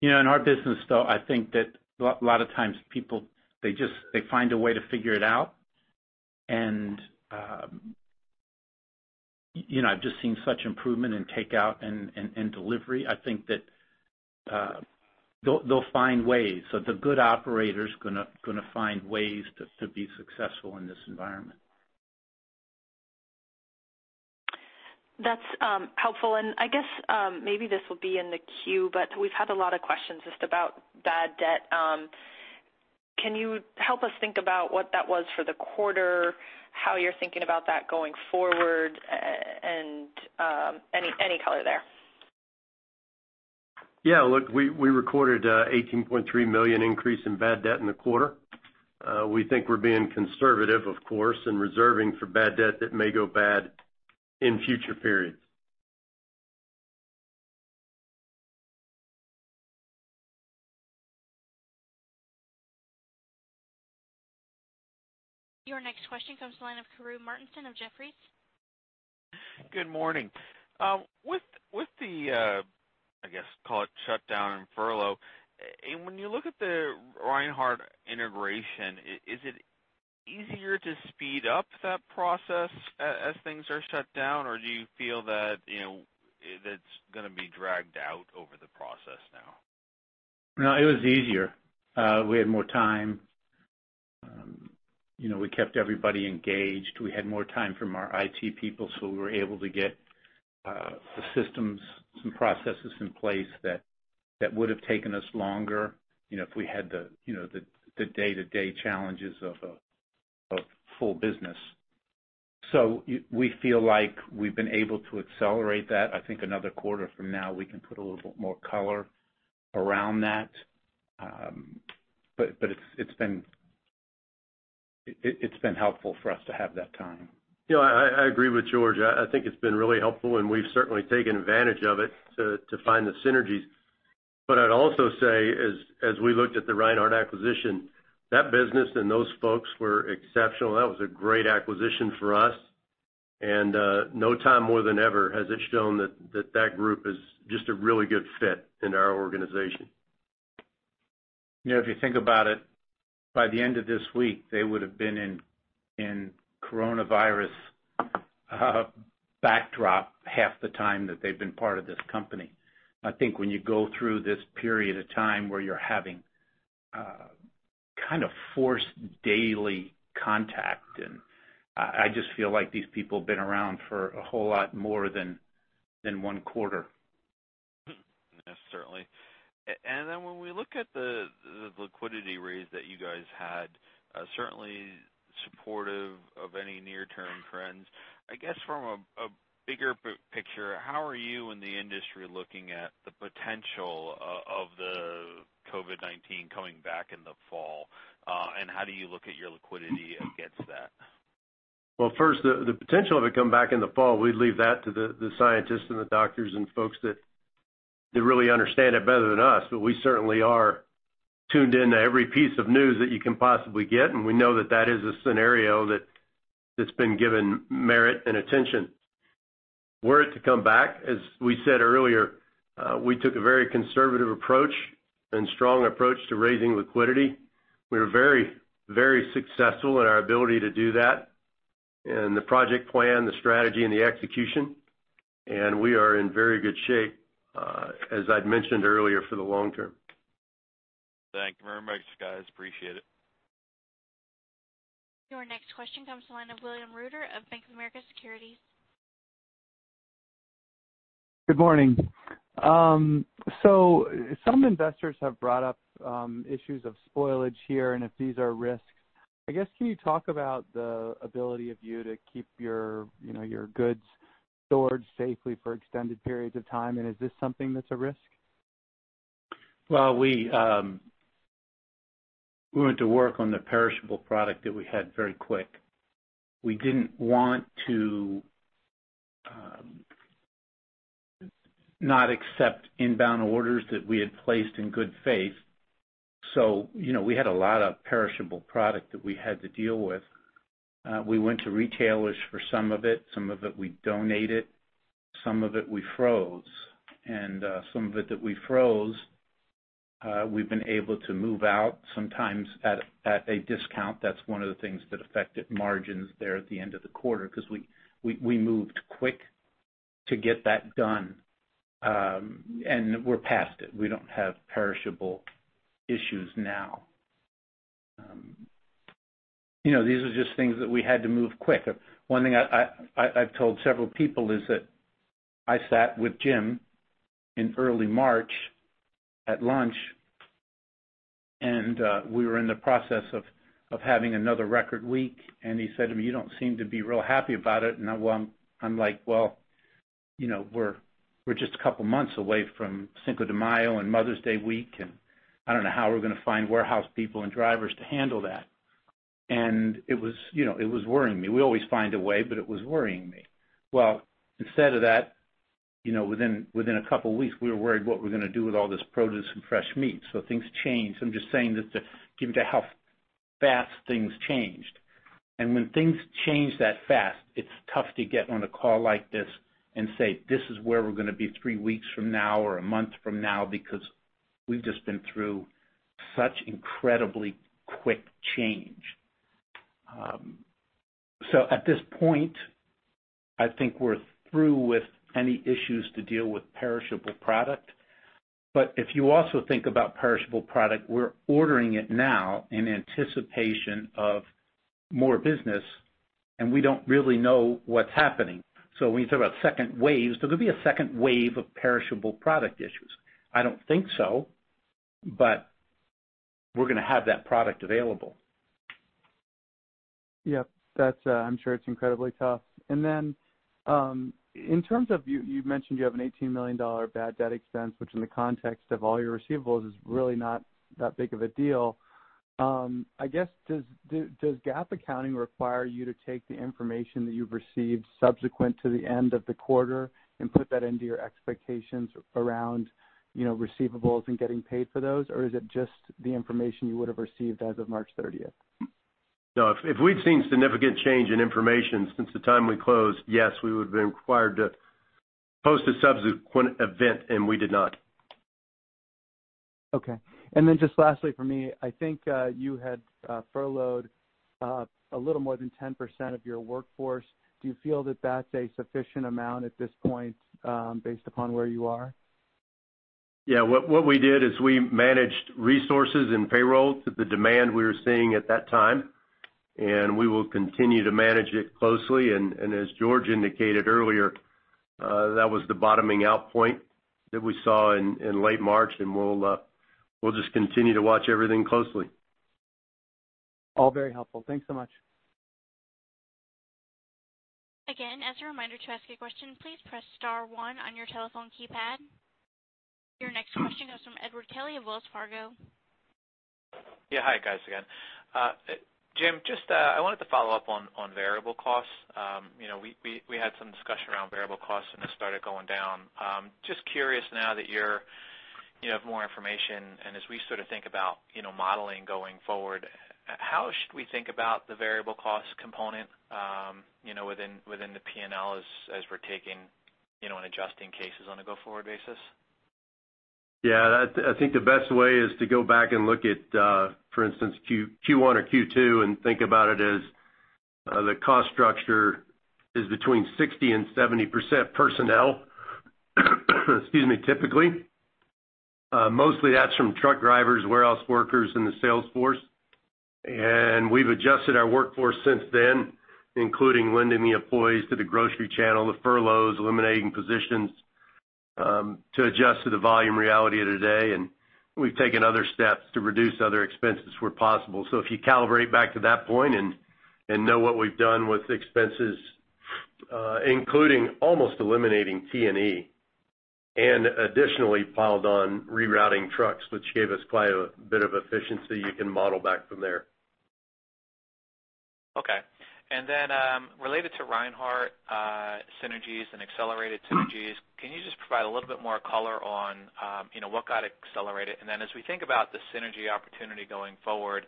[SPEAKER 3] You know, in our business, though, I think that a lot of times people, they just, they find a way to figure it out. And, you know, I've just seen such improvement in takeout and delivery. I think that, they'll find ways. So the good operators gonna find ways to be successful in this environment.
[SPEAKER 10] That's helpful. I guess maybe this will be in the queue, but we've had a lot of questions just about bad debt. Can you help us think about what that was for the quarter, how you're thinking about that going forward, and any color there?
[SPEAKER 4] Yeah. Look, we, we recorded a $18.3 million increase in bad debt in the quarter. We think we're being conservative, of course, in reserving for bad debt that may go bad in future periods.
[SPEAKER 1] Your next question comes from the line of Karru Martinson of Jefferies.
[SPEAKER 11] Good morning. With the, I guess, call it shutdown and furlough, when you look at the Reinhart integration, is it easier to speed up that process as things are shut down, or do you feel that, you know, it's gonna be dragged out over the process now?
[SPEAKER 3] No, it was easier. We had more time. You know, we kept everybody engaged. We had more time from our IT people, so we were able to get the systems and processes in place that would have taken us longer, you know, if we had the day-to-day challenges of a full business. So we feel like we've been able to accelerate that. I think another quarter from now, we can put a little bit more color around that. But it's been helpful for us to have that time.
[SPEAKER 4] You know, I agree with George. I think it's been really helpful, and we've certainly taken advantage of it to find the synergies. But I'd also say as we looked at the Reinhart acquisition, that business and those folks were exceptional. That was a great acquisition for us, and now more than ever has it shown that that group is just a really good fit in our organization.
[SPEAKER 3] You know, if you think about it, by the end of this week, they would've been in coronavirus backdrop half the time that they've been part of this company. I think when you go through this period of time where you're having kind of forced daily contact, and I just feel like these people have been around for a whole lot more than 1 quarter.
[SPEAKER 11] Yes, certainly. And then when we look at the liquidity raise that you guys had, certainly supportive of any near-term trends. I guess from a bigger picture, how are you and the industry looking at the potential of the COVID-19 coming back in the fall, and how do you look at your liquidity against that?
[SPEAKER 4] Well, first, the potential of it coming back in the fall, we'd leave that to the scientists and the doctors and folks that really understand it better than us, but we certainly are tuned in to every piece of news that you can possibly get, and we know that that is a scenario that's been given merit and attention. Were it to come back, as we said earlier, we took a very conservative approach and strong approach to raising liquidity. We were very, very successful in our ability to do that, and the project plan, the strategy, and the execution, and we are in very good shape, as I'd mentioned earlier, for the long term. Thank you very much, guys. Appreciate it.
[SPEAKER 1] Your next question comes from the line of William Reuter of Bank of America Securities.
[SPEAKER 12] Good morning. So some investors have brought up issues of spoilage here, and if these are risks? I guess, can you talk about the ability of you to keep your, you know, your goods stored safely for extended periods of time? And is this something that's a risk?
[SPEAKER 3] Well, we went to work on the perishable product that we had very quick. We didn't want to not accept inbound orders that we had placed in good faith. So, you know, we had a lot of perishable product that we had to deal with. We went to retailers for some of it, some of it we donated, some of it we froze. And some of it that we froze, we've been able to move out, sometimes at a discount. That's one of the things that affected margins there at the end of the quarter, 'cause we moved quick to get that done. And we're past it. We don't have perishable issues now. You know, these are just things that we had to move quick. One thing I've told several people is that I sat with Jim in early March at lunch, and we were in the process of having another record week, and he said to me, "You don't seem to be real happy about it." And I, well, I'm like: Well, you know, we're just a couple months away from Cinco de Mayo and Mother's Day week, and I don't know how we're gonna find warehouse people and drivers to handle that. And it was, you know, it was worrying me. We always find a way, but it was worrying me. Well, instead of that, you know, within a couple weeks, we were worried what we're gonna do with all this produce and fresh meat. So things changed. I'm just saying that to, given to how fast things changed. When things change that fast, it's tough to get on a call like this and say, "This is where we're gonna be 3 weeks from now or a month from now," because we've just been through such incredibly quick change. At this point, I think we're through with any issues to deal with perishable product. If you also think about perishable product, we're ordering it now in anticipation of more business, and we don't really know what's happening. When you talk about 2nd waves, there could be a 2nd wave of perishable product issues. I don't think so, but we're gonna have that product available.
[SPEAKER 12] Yeah, that's, I'm sure it's incredibly tough. And then, in terms of you, you mentioned you have an $18 million bad debt expense, which in the context of all your receivables, is really not that big of a deal. I guess, does GAAP accounting require you to take the information that you've received subsequent to the end of the quarter and put that into your expectations around, you know, receivables and getting paid for those? Or is it just the information you would have received as of March 30th?
[SPEAKER 4] No, if we'd seen significant change in information since the time we closed, yes, we would have been required to post a subsequent event, and we did not.
[SPEAKER 12] Okay. And then just lastly for me, I think, you had furloughed a little more than 10% of your workforce. Do you feel that that's a sufficient amount at this point, based upon where you are?
[SPEAKER 4] Yeah. What we did is we managed resources and payroll to the demand we were seeing at that time, and we will continue to manage it closely. And as George indicated earlier, that was the bottoming out point that we saw in late March, and we'll just continue to watch everything closely.
[SPEAKER 12] All very helpful. Thanks so much.
[SPEAKER 1] Again, as a reminder to ask a question, please press * 1 on your telephone keypad. Your next question comes from Edward Kelly of Wells Fargo.
[SPEAKER 6] Yeah. Hi, guys, again. Jim, just, I wanted to follow up on, on variable costs. You know, we had some discussion around variable costs when this started going down. Just curious now that you have more information, and as we sort of think about, you know, modeling going forward, how should we think about the variable cost component, you know, within the P&L as we're taking, you know, and adjusting cases on a go-forward basis?
[SPEAKER 4] Yeah, I think the best way is to go back and look at, for instance, Q1 or Q2, and think about it as the cost structure is between 60%-70% personnel, excuse me, typically. Mostly that's from truck drivers, warehouse workers, and the sales force. And we've adjusted our workforce since then, including lending the employees to the grocery channel, the furloughs, eliminating positions, to adjust to the volume reality of today. And we've taken other steps to reduce other expenses where possible. So if you calibrate back to that point and know what we've done with expenses, including almost eliminating T&E, and additionally piled on rerouting trucks, which gave us quite a bit of efficiency, you can model back from there.
[SPEAKER 6] Okay. And then, related to Reinhart, synergies and accelerated synergies, can you just provide a little bit more color on, you know, what got accelerated? And then as we think about the synergy opportunity going forward,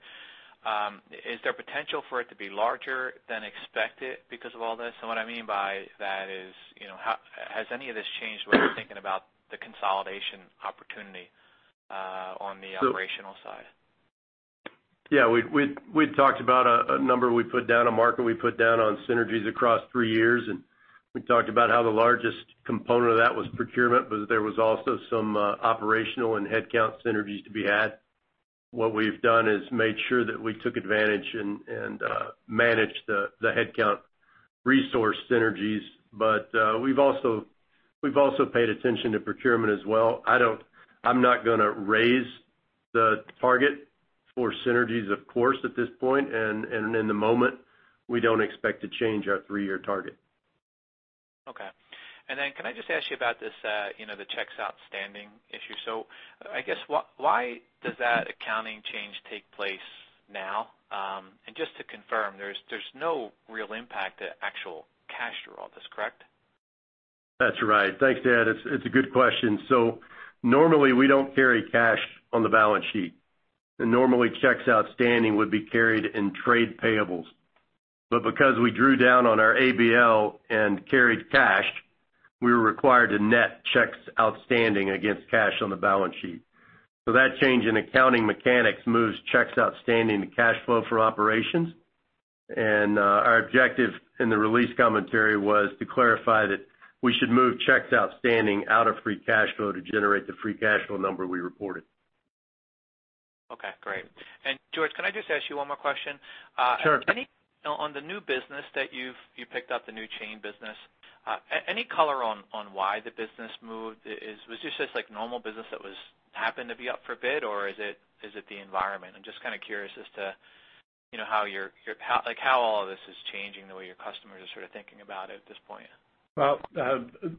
[SPEAKER 6] is there potential for it to be larger than expected because of all this? And what I mean by that is, you know, how has any of this changed the way you're thinking about the consolidation opportunity, on the operational side?...
[SPEAKER 4] Yeah, we we'd talked about a number we put down, a market we put down on synergies across 3 years, and we talked about how the largest component of that was procurement, but there was also some operational and headcount synergies to be had. What we've done is made sure that we took advantage and managed the headcount resource synergies. But we've also paid attention to procurement as well. I don't. I'm not gonna raise the target for synergies, of course, at this point, and in the moment, we don't expect to change our 3-year target.
[SPEAKER 6] Okay. And then can I just ask you about this, you know, the checks outstanding issue? So I guess, why does that accounting change take place now? And just to confirm, there's, there's no real impact to actual cash through all this, correct?
[SPEAKER 4] That's right. Thanks, Dan. It's a good question. So normally, we don't carry cash on the balance sheet, and normally, checks outstanding would be carried in trade payables. But because we drew down on our ABL and carried cash, we were required to net checks outstanding against cash on the balance sheet. So that change in accounting mechanics moves checks outstanding to cash flow from operations. And our objective in the release commentary was to clarify that we should move checks outstanding out of free cash flow to generate the free cash flow number we reported.
[SPEAKER 6] Okay, great. George, can I just ask you 1 more question?
[SPEAKER 3] Sure.
[SPEAKER 6] On the new business that you've picked up, the new chain business, any color on why the business moved? Was this just like normal business that was happened to be up for bid, or is it the environment? I'm just kind of curious as to, you know, how your, your, like, how all of this is changing the way your customers are sort of thinking about it at this point.
[SPEAKER 3] Well,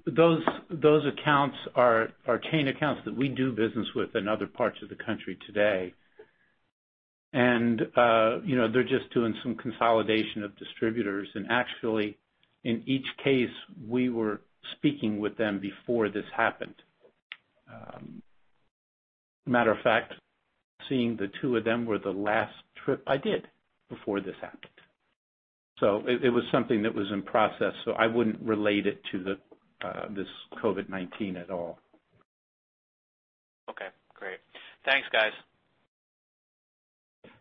[SPEAKER 3] those accounts are chain accounts that we do business with in other parts of the country today. You know, they're just doing some consolidation of distributors, and actually, in each case, we were speaking with them before this happened. Matter of fact, seeing the two of them were the last trip I did before this happened. So it was something that was in process, so I wouldn't relate it to this COVID-19 at all.
[SPEAKER 6] Okay, great. Thanks, guys.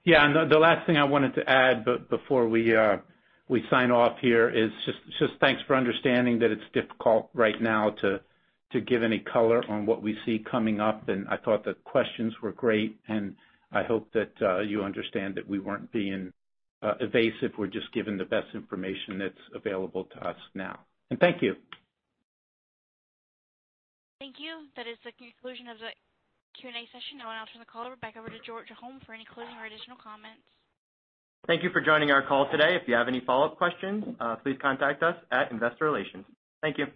[SPEAKER 3] Yeah, and the last thing I wanted to add before we sign off here is just thanks for understanding that it's difficult right now to give any color on what we see coming up. And I thought the questions were great, and I hope that you understand that we weren't being evasive. We're just giving the best information that's available to us now. And thank you.
[SPEAKER 1] Thank you. That is the conclusion of the Q&A session. Now I'll turn the call back over to George Holm for any closing or additional comments.
[SPEAKER 2] Thank you for joining our call today. If you have any follow-up questions, please contact us at Investor Relations. Thank you.